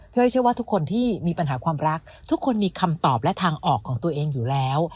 ้อยเชื่อว่าทุกคนที่มีปัญหาความรักทุกคนมีคำตอบและทางออกของตัวเองอยู่แล้ว